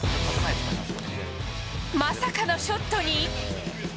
まさかのショットに。